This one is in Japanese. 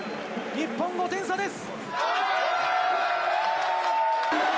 日本、５点差です！